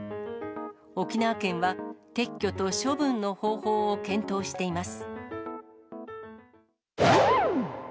沖縄県は撤去と処分の方法を検討しています。